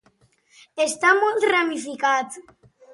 Està molt ramificat.